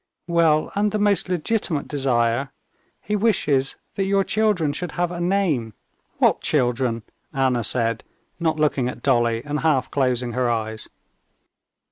"Well, and the most legitimate desire—he wishes that your children should have a name." "What children?" Anna said, not looking at Dolly, and half closing her eyes.